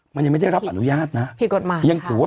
มันยังไม่ได้รับอนุญาตนะ